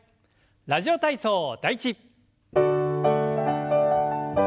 「ラジオ体操第１」。